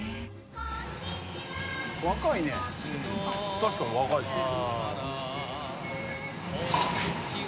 確かに若いですね。